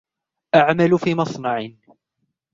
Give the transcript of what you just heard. أعمل في مصنع.